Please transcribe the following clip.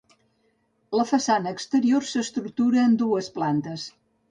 La façana exterior s'estructura en dues plantes.